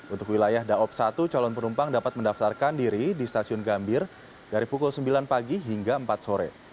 untuk wilayah daob satu calon penumpang dapat mendaftarkan diri di stasiun gambir dari pukul sembilan pagi hingga empat sore